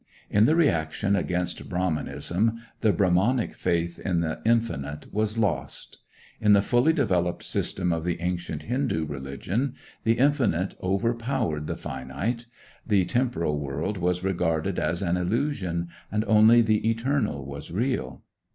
In the reaction against Brahmanism, the Brahmanic faith in the infinite was lost. In the fully developed system of the ancient Hindoo religion the infinite overpowered the finite, the temporal world was regarded as an illusion, and only the eternal was real.